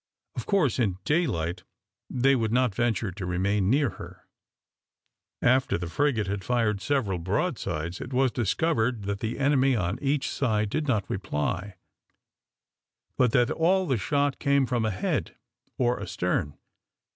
Of course, in daylight they would not venture to remain near her. After the frigate had fired several broadsides, it was discovered that the enemy on each side did not reply, but that all the shot came from ahead or astern.